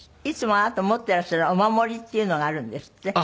いつもあなた持っていらっしゃるお守りっていうのがあるんですって？